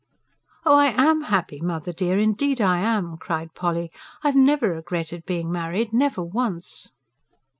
"Oh, I AM happy, mother dear, indeed I am!" cried Polly. "I've never regretted being married never once!"